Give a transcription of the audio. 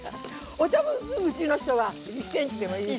おちょぼ口の人は１ｃｍでもいいし。